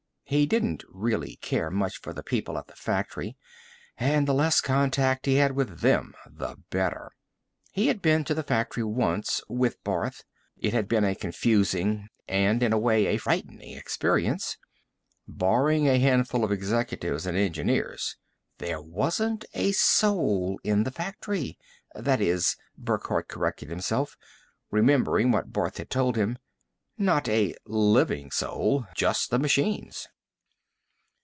He didn't really care much for the people at the factory and the less contact he had with them, the better. He had been to the factory once, with Barth; it had been a confusing and, in a way, a frightening experience. Barring a handful of executives and engineers, there wasn't a soul in the factory that is, Burckhardt corrected himself, remembering what Barth had told him, not a living soul just the machines.